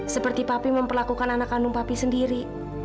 seperti papi memperlakukan anak kandung papi sendiri